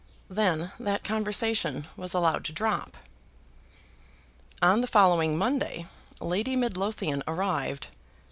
Then that conversation was allowed to drop. On the following Monday, Lady Midlothian arrived.